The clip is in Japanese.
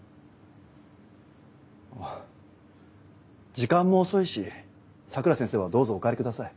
時間も遅いし佐倉先生はどうぞお帰りください。